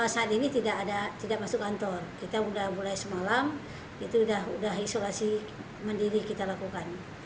saat ini tidak masuk kantor kita sudah mulai semalam itu sudah isolasi mandiri kita lakukan